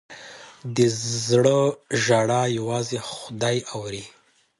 د زړه ژړا یوازې خدای اوري.